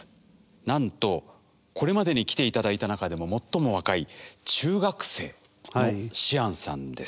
なんとこれまでに来て頂いた中でも最も若い中学生のシアンさんです。